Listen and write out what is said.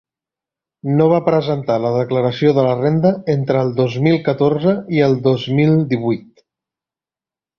No va presentar la declaració de la renda entre el dos mil catorze i el dos mil divuit.